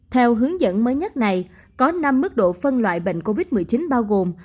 theo hướng dẫn mới nhất này có năm mức độ phân loại bệnh covid một mươi chín bao gồm